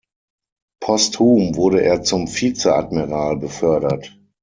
Posthum wurde er zum Vizeadmiral befördert.